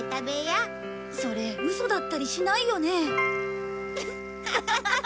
それウソだったりしないよね？